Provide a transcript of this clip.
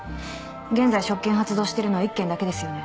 現在職権発動してるのは１件だけですよね。